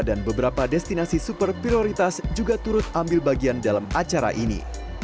dan beberapa destinasi super prioritas juga turut ambil bagian dalam acara ini